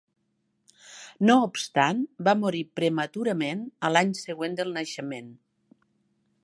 No obstant va morir prematurament a l'any següent del naixement.